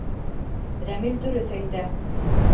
Рәмил дөрөҫ әйтә.